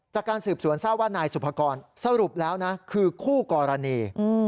จากการสืบสวนทราบว่านายสุภกรสรุปแล้วนะคือคู่กรณี